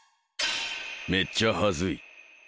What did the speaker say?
めっちゃ恥ずい。